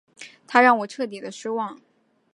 他让我彻底的失望